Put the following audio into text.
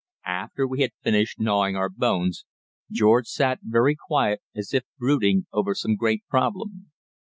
After we had finished gnawing our bones, George sat very quiet as if brooding over some great problem.